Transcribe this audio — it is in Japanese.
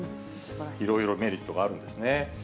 いろいろメリットがあるんですね。